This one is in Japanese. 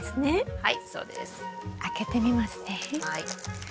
はい。